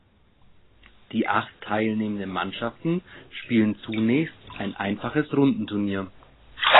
Die acht teilnehmenden Mannschaften spielen zunächst ein einfaches Rundenturnier.